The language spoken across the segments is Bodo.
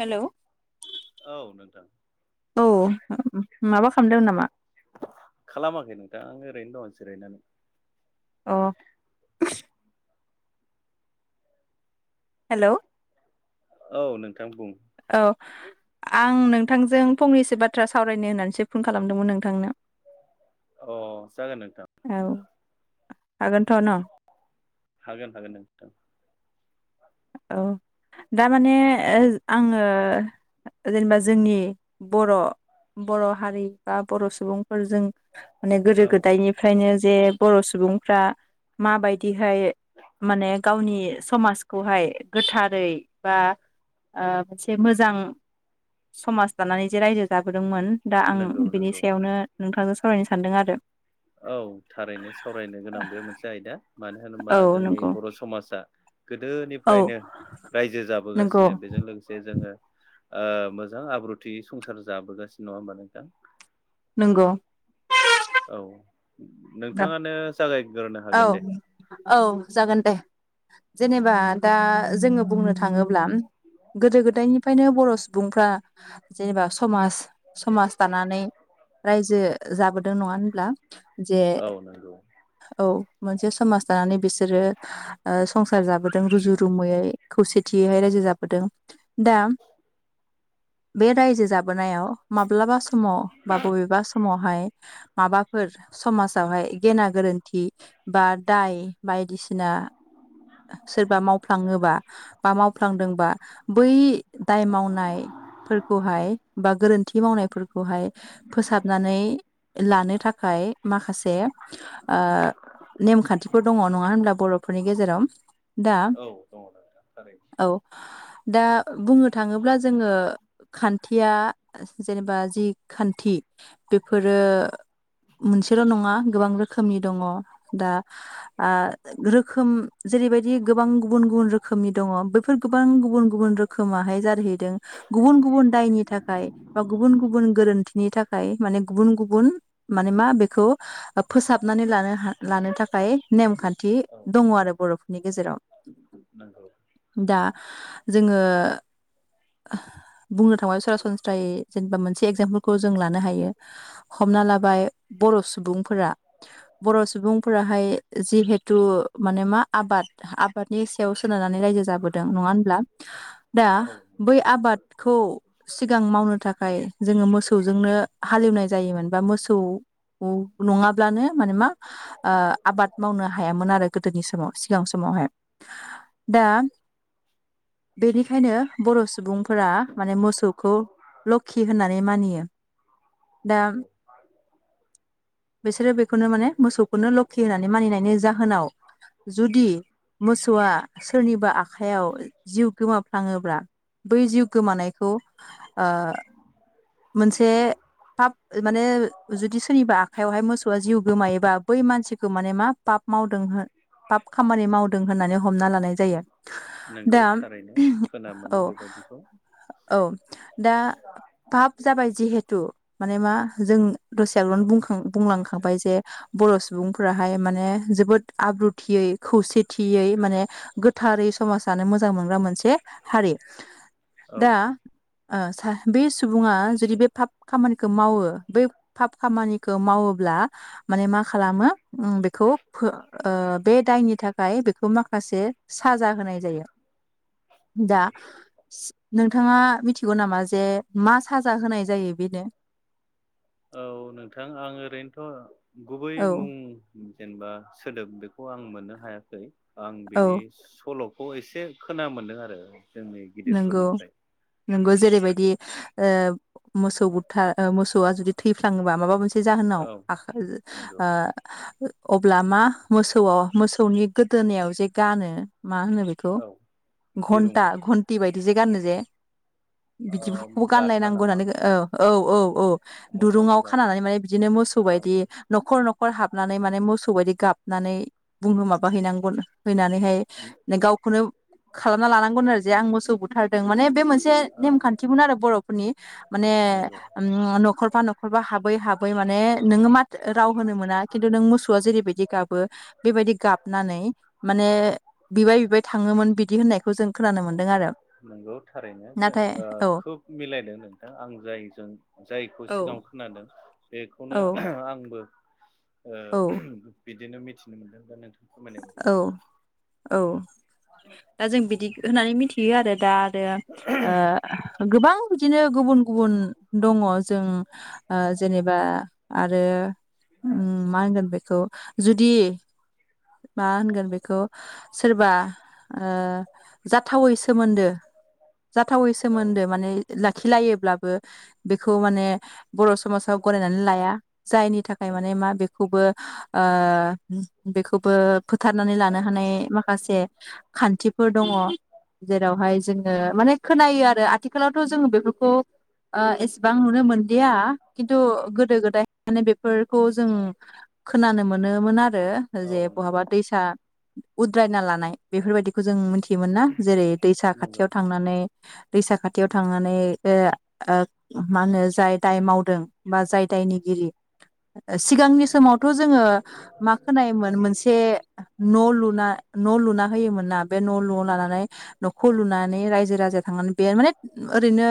हेल' औ नोंथां औ माबा खालामदों नामा [unintelligible] खालामाखै नोंथां आं ओरैनो दं जिरायनानौ अ हेलौ औ नोंथां बुं औ आं नोंथांजों फंनैसो बाथ्रा सावरायनो होननानैसो फ' फन खालामदोंमोन नोंथांनो अ जागोन नोंथां औ हागोनथ' न हागोन हागोन नोंथां औ दामाने ओ आङो जेनेबा जोंनि बर' बर' हारि बा बर' सुबुंफोरजों माने गोदो औ गोदायनिफ्रायनो जे बर' सुबुंफ्रा माबायदिहाय माने गावनि समाजखौहाय गोथारै बा आ मोनसे मोजां समाज दानानै जे रायजो जाबोदोंमोन दा आं नंगौ बिनि नंगौ सायावनो नोंथांजों सावरायनो सानदों आरो औ थारैनो सावरायनो गोनां बे मोनसे आयदा मानो होनोबा औ जोंनि नंगौ बर' समाजा औ गोदोनिफ्रायनो रायजो नंगौ जाबोगासिनो बेजों लोगोसे जोङो ओ मोजां आब्रुथि संसार जाबोगासिनो नङा होनोमबा नोंथां? नोंग औ नोंथाङानो जागायग्रो औ हागोन दे। औ जागोन दे जेनेबा दा जोङो बुंनो थाङोब्ला गोदो गोदायनिफ्रायनो बर' सुबुंफ्रा जेनेबा समाज समाज दानानै रायजो जाबोदों नङा होनब्ला जे औ नंगौ औ मोनसे समाज दानानै बिसोरो आ संसार जाबोदों रुजु रुमुयै खौसेथियै रायजो जाबोदों दा बे रायजो जाबोनायाव माब्लाबा समाव बा बबेबा समावहाय माबाफोर समाजावहाय गेना गोरोन्थि बा दाय बायदिसिना सोरबा मावफ्लाङोबा बा मावफ्लांदोंबा बै दाय मावनाय फोरखौहाय बा गोरोन्थि मावनायफोरखौहाय फोसाबनानै लानो थाखाय माखासे आ नेमखान्थिफोर दङ नङा होनब्ला बर'फोरनि गेजेराव? दा औ दङ नोंथां थारैनो औ दा बुंनो थाङोब्ला जोङो खान्थिया जेनेबा जि खान्थि बेफोरो मोनसेल' नङा गोबां रोखोमनि दङ दा आ रोखोम जेरैबायदि गोबां गुबुन गुबुन रोखोमनि दङ बैफोर गोबां गुबुन गुबुन रोखोमाहाय जारहैदों गुबुन गुबुन दायनि थाखाय बा गुबुन गुबुन गोरोन्थिनि थाखाय माने गुबुन गुबुन माने मा बेखौ ओ फोसाबनानै लानो ह लानो थाखाय नेमखान्थि औ दङ आरो बर'फोरनि गेजेराव। नंगौ दा जोङो बुंनो थांबा सरासनस्रायै जेनेबा मोनसे एगजामपोलखौ जों लानो हायो हमना लाबाय बर' सुबुंफोरा बर' सुबुंफोराहाय जिहेथु माने मा आबाद आबादनि सायाव सोनारनानै रायजो जाबोदों नङा होमब्ला दा औ नंगौ बै आबादखौ सिगां मावनो थाखाय जोङो मोसौजोंनो हालेवनाय जायोमोन बा मोसौ [unintelligible] नङाब्लानो माने मा ओ आबाद मावनो हायामोन आरो गोदोनि समाव। सिगां समावहाय। दा बेनिखायनो बर' सुबुंफोरा माने मोसौखौ लख्खि होननानै मानियो, दा [inaudible] बिसोरो बेखौनो माने मोसौखौनो लख्खि होननानै मानिनायनि जाहोनाव जुदि मोसौआ सोरनिबा आखाइयाव जिउ गोमाफ्लाङोब्ला बै जिउ गोमानायखौ ओ मोनसे फाब माने जुदि सोरनिबा आ खायावहाय मोसौआ जिउ गोमायोबा बै मानसिखौ माने मा पाब मावदों हो पाब खामानि मावदों होननानै हमना लानाय जायो। नंगौ दा थारैनो खोना मोनो औ बेबायदिखौ औ दा पाब जाबाय जिहेतु माने मा जों दसे आगोलावनो बुंखां- बुंलांखांबाय जे बर' सुबुंफोराहाय माने जोबोद आब्रुथियै खौसेथियै माने गोथारै समाज जानो मोजां मोनग्रा मोनसे हारि। औ। दा ओ सा बे सुबुङा जुदि बे फाब खामानिखो मावो बै फाब खामानि खौ मावोब्ला माने मा खालामो ओम बेखौ फो ओ बे दायनि थाखाय बेखौ माखासे साजा होनाय जायो। दा नोंथाङा मिथिगौ नामा जे मा साजा होनाय जायो बेनो? औ नोंथां आं ओरैनोथ' गुबै औ मुं जेनेबा सोदोब बेखौ आं मोननो हायाखै आं औ बेनि सल'खौ एसे खोना मोनदों आरो। जोंनि नोंगौ गिदिरफोरनिफ्राय नोंगौ जेरैबायदि ओ मोसौ बुथा ओ मोसौआ जुदि थैफ्लाङोबा माबा मोनसे जाहोनाव औ नंगौ [unintelligible] अब्ला मा मोसौआव मोसौनि गोदोनायाव जे गानो मा होनो बेखौ? औ दिरुं घन्टा घन्टि बायदिजे गानो जे ओ बिदि खौबो गाथा गानलायनांगौ नामा होननानै औ औ औ औ मोसौनि दुरुङाव गाथा खानानै माने बिदिनो मोसौ औ बायदि न'खर न'खर हाबनानै माने मोसौ बायदि गाबनानै बुंनो माबाहैनांगौनो। हैनानैहाय गावखौनो खालामना लानांगौनो आरो जे आं मोसौ बुथारदों माने बे मोनसे से औ नेम खान्थिमोन आरो बर'फोरनि माने नंगौ न'खरफा न'खरफा हाबै हाबै माने नोङो माथ राव होनो मोना खिन्थु नों मोसौआ जेरैबायदि गाबो बेबायदि गाबनानै माने बिबाय बिबाय थाङोमोन बिदि होननायखौ जों खोनानो मोन दों आरो। नंगौ थारैनो जों नाथाय ओ औ खोब मिलायदों नोंथां आं जायजों जायखौ औ सिगांआव खोनादों औ बेखौनो आंबो ओ औ बिदिनो मिथिनो मोन्दों दा नोंथां फोरमायनाय बादिनो। औ औ दा जों बिदि होननानै मिथियो आरो दा आरो ओ गोबां बिदिनो गुबुन गुबुन दङ जों ओ जेनेबा आरो मा होनगोन बेखौ जुदि मा होनगोन बेखौ सोरबा ओ जाथावै सोमोन्दो जाथावै औ सोमोन्दो माने लाखिलायोब्लाबो बेखौ माने बर' समाजाव गनायनानै लाया जायनि थाखाय माने नंगौ मा बेखौबो ओ बेखौ बो फोथारनानै लानो हानाय माखासे खान्थिफोर दङ'। जेरावहाय जोङो माने खोनायो आरो आथिखालावथ' जोङो बेफोरखौ ओ एसेबां नुनो मोनदिया खिन्थु गोदो गोदाय माने बेफोरखौ जों खोनानो मोनोमोन आरो औ जे नंगौ बहाबा दैसा उद्रायना लानाय बेफोरबायदिखौ जों मिथियोमोन ना जेरै दैसा नंगौ खाथियाव थांनानै दैसा खाथियाव थांनानै ओ ओ मा होनो जाय दाय मावदों बा जाय दायनिगिरि ओ सिगांनि समावथ' जोङो मा खोनायोमोन मोनसे ए न' लुना न' लुना होयोमोन ना बे न' लुना लानानै न'खौ लुनानै रायजो राजाया थांनानै बे माने ओरैनो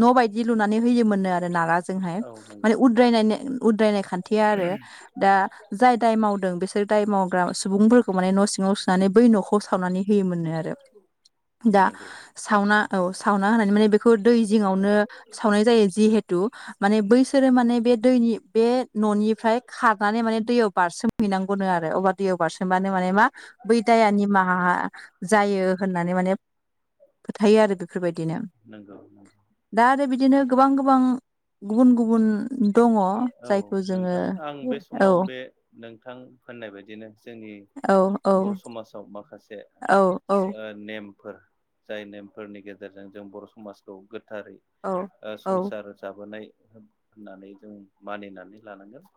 न' बायदि लुनानै होयोमोननो आरो नाराजोंहाय औ नंगौ माने उद्रायनायनाय उद्रायनाय खान्थि आरो दा जाय दाय मावदों बिसोर दाय मावग्रा सुबुंफोरखौ माने न' सिङाव सोनानै बै न'खौ सावनानै होयोमोननो आरो। दा नंगौ सावना औ सावना होनानै माने बेखौ दै जिङावनो सावनाय जायो जिहेथु माने बैसोरो माने बे दैनि बे न'निफ्राय खारनानै माने दैयाव बारसोमहैनांगौनो आरो अब्ला दैयाव बारसोमबानो माने मा बै दाया निमाहा जायो होननानै माने फोथायो आरो बेफोरबायदिनो। नंगौ नंगौ दा आरो बिदिनो गोबां -गोबां गुबुन- गुबुन दङ औ जायखौ जोङो नोंथां आं बे औ समाव बे नोंथां होननाय बायदिनो जोंनि औ औ बर' समाजाव माखासे औ औ [unintelligible] नेमफोर जाय नेमफोरनि गेजेरजों जों बर' समाजखौ गोथारै औ ओ औ संसार जाबोनाय होननानै जों मानिनानै लानांगोन।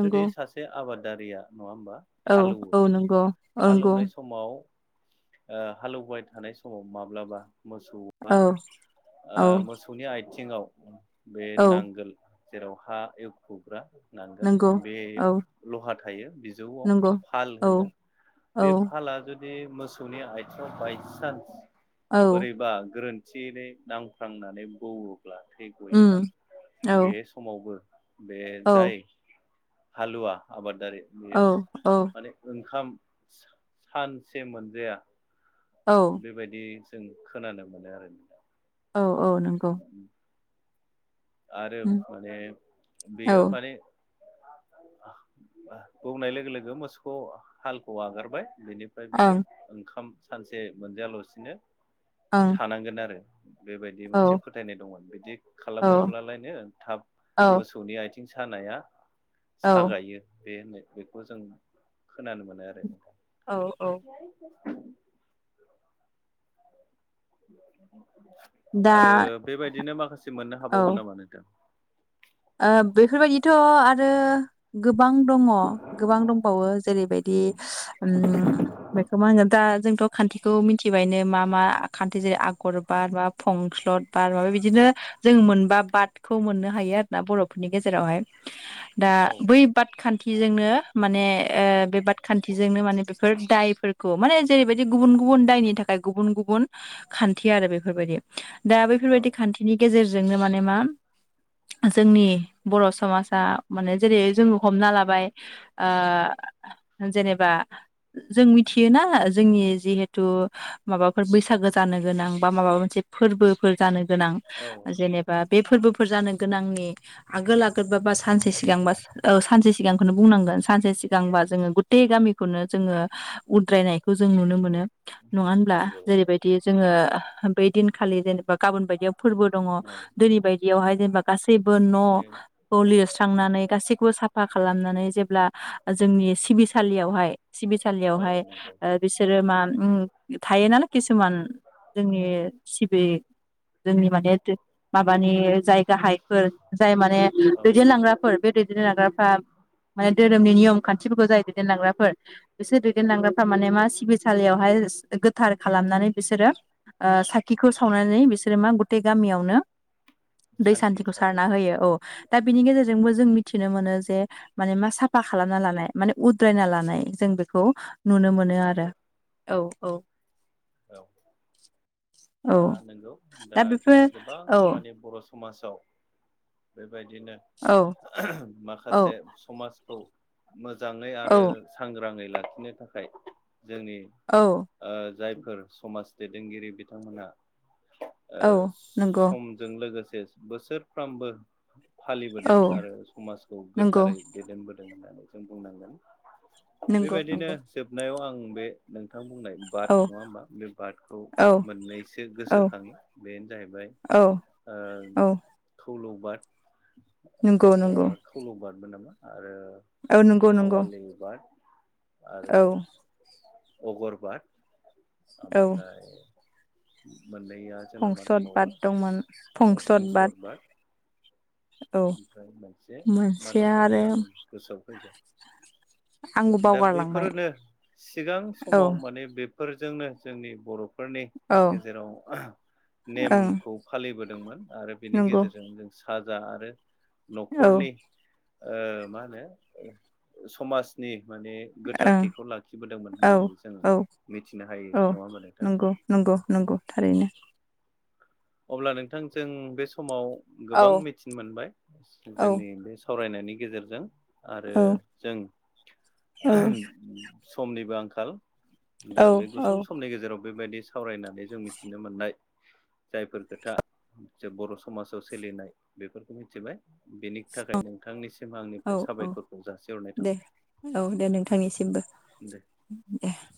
जुदि सासे आबादारिया नङा होमबा? औ औ नंगौ। नंगौ हालौनाय समाव ओ हालौबाय थानाय समाव माब्लाबा मोसौ आ औ ओ औ मोसौ नि आथिङाव बे औ नांगोल जेराव हा एवखुग्रा नांगोल नंगौ बे औ लहा थायो बिजौआव नंगौ फाल औ होनो औ बे फाला जुदि मोसौनि आथिङाव बायसान्स औ बोरैबा गोरोन्थियैै नांफ्लांनानै बोवो अब्ला थै गयोब्ला उम औ बे समावबो बे औ जाय हालुवा आबादारि औ बेयो औ माने ओंखाम सानसे मोनजाया औ बेबायदि जों खोनानो मोनो आरो न औ औ नंगौ [unintelligible] आरो उम माने औ बेयो माने बौनाय लोगो लोगो मोसौखौ हालखौ आगारबाय बेनि फ्राय बियो ओंखाम सानसे मोनजायालासिनो ओं थानांगोन आरो बेबायदि मोनसे ओं फोथायनाय दंमोन बिदि औ खालामो लायनो थाब मोसौनि आथिं सानाया औ सागायो बे होनो बेखौ जों खोनानो मोनो आरो औ औ [inaudible] दा आरो बेबायदिनो माखासे मोननो औ हाबावगोन नामा नोंथां? ओ बैफोरबायदिथ' आरो गोबां दङ गोबां दंबावो जेरैबायदि उम बेखौ मा होनगोन दा जोंथ' खान्थिखौ मिथिबायनो मा मा खान्थि जेरै आगर बार बा फंस्लद बार माबा बिदिनो जों मोनबा बाद खौ मोननो हायो आरो ना बर'फोरनि गेजेरावहाय दा औ बै पाद खान्थिजोंनो माने ओ बे बाद खान्थिजोंनो माने बेफोर दाय फोर खौ माने जेरैबायदि गुबुन-गुबुन दायनि थाखाय गुबुन-गुबुन खान्थि आरो बेफोरबायदि। दा औ बैफोरबायदि खान्थिनि गेजेरजोंनो माने मा जोंनि बर' समाजा माने जेरै जों हमना लाबाय। ओ जेनेबा जों मिथियोना जोंनि जिहेथु माबाफोर बैसागो जानो गोनां बा माबा मोनसे फोरबोफोर जानो गोनां औ जेनेबा बे फोरबोफोर जानो गोनांनि आगोल-आगोल बा-बा सानसे सिगांबा औ सानसे सिगांखौनो बुंनांगोन सानसे सिगांबा जोंङो गु सै गामिखौनो जोंङो उद्रायनाय खौ जों नुनो मोनो नङा होनब्ला नंगौ जेरैबायदि जोंङो नंगौ बै दिनखालि जेनेबा गाबोन बायदियाव फोरबो दङ औ दिनै बायदियावहाय गासैबो न' बे खौ लिरस्रांनानै गासैखौबो साफा खालामनानै जेब्ला जोंनि सिबिसालियावहाय औ सिबिसालियावहाय नंगौ ओ बिसोरो मा ओम थायोनालाय किसुमान जोंनि सिबि जोंनि माने माबानि जायगाहाय फोर जाय माने औ दैदेनलांग्राफोर बे दैदेनलांग्राफ्रा माने धोरोमनि नियम खान्थिफोरखौ जाय दैदेनलांग्राफोर बिसोर दैदेनलांग्राफोरा माने मा सिबिसालियावहाय गोथार खालामनानै बिसोरो ओ साखिखौ सावनानै बिसोरो मा गुतै गामियावनो दै सान्थि सारनाय जायो औ दा बिनि गेजेरजोंबो जों मिथिनो मोनो जे माने मा साफा खालामना लानाय माने उद्रायना लानाय जों बेखौ नुनो मोनो नंगौ आरो औ-औ। औ। ओ नंगौ दा जोंहा गोबां औ माने बर' समाजाव बेबायदिनो औ औ माखासे समाजखौ मोजाङै आरो औ सांग्राङै लाखिनो थाखाय जोंनि औ। ओ जायफोर समाज दैदेनगिरि बिथांमोनहा ओ औ नंगौ सम जों लोगोसे बोसोरफ्रोमबो फालिबोदों औ आरो समाजखौ नंगौ गोथारै दैदेनबोदों होननानै जों बुंनांगोन। नंगौ बेबायदिनो नंगौ जोबनायाव आं बे नोंथां बुंनाय बाद औ नङा होमबा बे बादखौ औ मोननैसो औ गोसोखाङो बेनो जाहैबाय औ ओ औ खौलौ बाद। नंगौ-नंगौ। खौलौ बादबो नामा आरो नंगौ नंगौ खावालि बाद आरो औ अगरबाद औ ओमफ्राय मोननैया जोंना मा फंस्लद बाद दंबावो दंमोन ओ फंस्लद बाद। औ ओमफ्राय मोनसे मा मोनसेया दंबावोमोन आरो आं गोसोआव फैजोब आंबो दा बावगारलांबाय बेफोरनो सिगां औ समाव माने बे फोरजोंनो जोंनि बर'फोरनि औ गेजेराव ओं नेमखौ फालिबोदोंमोन आरो बेनि नंगौ गेजेरजों जों साजा आरो औ न'खरनि ओ मा होनो समाजनि माने ओं गोथारथिखौ लाखिबोदोंमोन औ होननानै जों औ मिथिनो हायो नङा होनोमबा नोंथां। नंगौ-नंगौ थारैनो। अब्ला नोंथांजों बे समाव औ गोबां मिथिनो मोनबाय औ जोंनि बे सावरायनायनि गेजेरजों आरो औ जों समनिबो आंखाल दा बे औ औ गुसुं समनि गेजेराव बेबायदि सावरायना बे जों मिथिनो मोननाय जायफोर खोथा जे बर' समाजाव सोलिनाय बेफोरखौ मिथिबाय बेनि थाखाय नोंथांनिसिम आं औ औ साबायखरखौ जासिहरनाय दे थाबाय। औ दे नोंथांनिसिमबो। दे [inaudible]